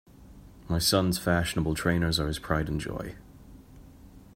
My son's fashionable trainers are his pride and joy